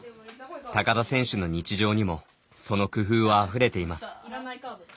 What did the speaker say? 高田選手の日常にもその工夫はあふれています。